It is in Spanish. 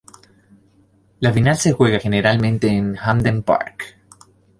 La final se juega generalmente en Hampden Park.